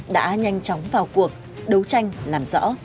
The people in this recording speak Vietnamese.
đã nhanh chóng vào cuộc đấu tranh làm rõ